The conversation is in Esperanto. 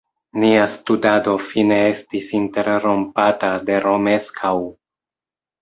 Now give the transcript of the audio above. Nia studado fine estis interrompata de Romeskaŭ.